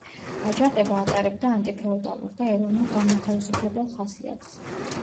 აჯანყება ატარებდა ანტიფეოდალურ და ეროვნულ-განმათავისუფლებელ ხასიათს.